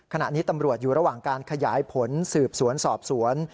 ขณะนี้ตำรวจอยู่ระหว่างการขยายผลสืบสวนสอบสวน